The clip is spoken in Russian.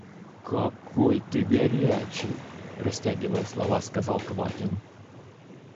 Какой ты горячий! – растягивая слова, сказал Квакин.